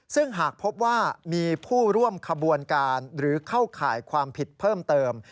ซึ่งหากพบว่ามีผู้ร่วมขบวนการหรือเข้าข่ายความผิดเพิ่มเติม